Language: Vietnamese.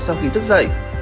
sau khi thức dậy